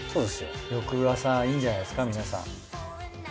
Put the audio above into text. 翌朝いいんじゃないですか皆さん。